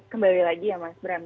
kembali lagi ya mas bram